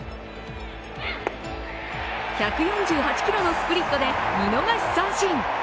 １４８キロのスプリットで見逃し三振。